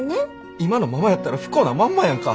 今のままやったら不幸なまんまやんか。